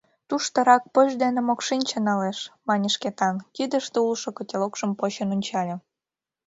Тушто рак поч дене мокшинче налеш, — мане Шкетан, кидыште улшо котелокшым почын ончале.